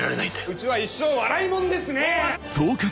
うちは一生笑いもんですねぇ！